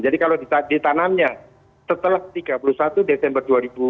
jadi kalau ditanamnya setelah tiga puluh satu desember dua ribu dua puluh